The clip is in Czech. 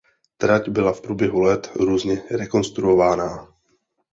Trať byla v průběhu let různě rekonstruována.